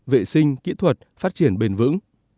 vệ sinh kỹ thuật phát triển bền vững